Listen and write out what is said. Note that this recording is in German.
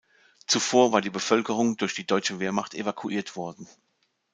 Zuvor war die Bevölkerung durch die deutsche Wehrmacht evakuiert worden.